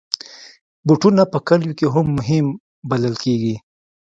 بوټونه په کلیو کې هم مهم بلل کېږي.